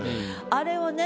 あれをね